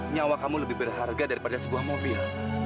nyawa kamu lebih berharga daripada sebuah mobil